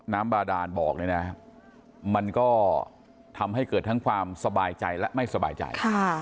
บาดานบอกเนี่ยนะมันก็ทำให้เกิดทั้งความสบายใจและไม่สบายใจ